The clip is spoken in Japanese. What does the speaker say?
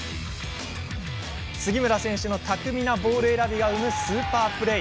杉村選手の巧みなボール選びが生むスーパープレー！